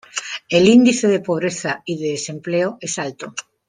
El índice de pobreza, y de desempleo es alto.